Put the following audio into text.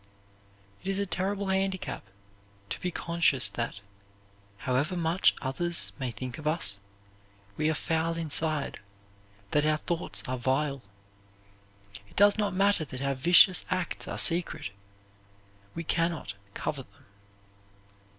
It is a terrible handicap to be conscious that, however much others may think of us, we are foul inside, that our thoughts are vile. It does not matter that our vicious acts are secret, we can not cover them.